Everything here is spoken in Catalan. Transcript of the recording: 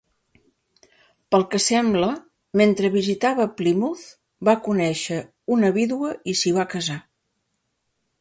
Pel que sembla, mentre visitava Plymouth, va conèixer una vídua i s'hi va casar.